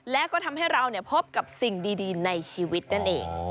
และก็ทำให้เราพบกับสิ่งดีในชีวิตนั่นเอง